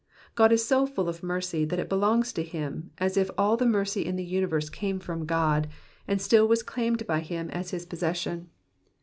God is so full of mercy that it belongs to him,, as if all the mercy in the universe came from God, and still was claimed by him as his possession.